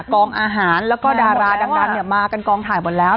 กองอาหารแล้วก็ดาราดังมากันกองถ่ายหมดแล้ว